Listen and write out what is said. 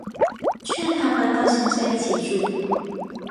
劝他搬到乡下一起住